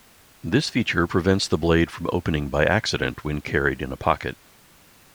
This feature prevents the blade from opening by accident when carried in a pocket.